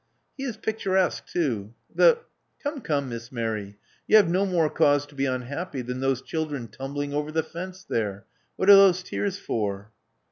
He is picturesque too. The — Come, come. Miss Mary. You have no more cause to be unhappy than those children tumbling over the fence there. What are those tears for?